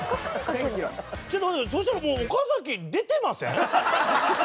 ちょっと待ってそしたら、岡崎出てません？